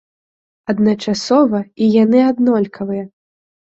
Адначасова, і яны аднолькавыя!